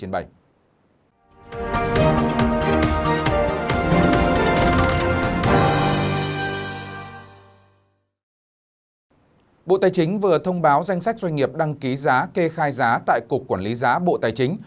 bộ tài chính vừa thông báo danh sách doanh nghiệp đăng ký giá kê khai giá tại cục quản lý giá bộ tài chính